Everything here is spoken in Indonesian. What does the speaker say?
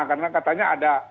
karena katanya ada